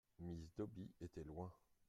Miss Dobby était loin.